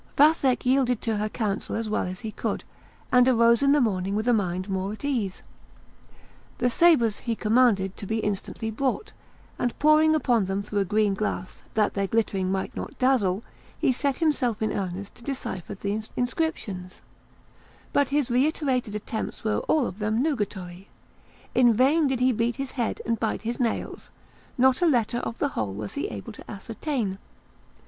Vathek yielded to her counsel as well as he could, and arose in the morning with a mind more at ease. The sabres he commanded to be instantly brought, and poring upon them through a green glass, that their glittering might not dazzle, he set himself in earnest to decipher the inscriptions; but his reiterated attempts were all of them nugatory; in vain did he beat his head and bite his nails, not a letter of the whole was he able to ascertain.